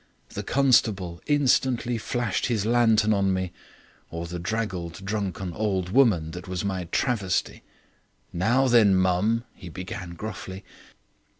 "The constable instantly flashed his lantern on me, or the draggled, drunken old woman that was my travesty. 'Now then, mum,' he began gruffly.